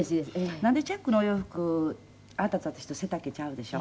なんでチャックのお洋服あなたと私と背丈違うでしょ。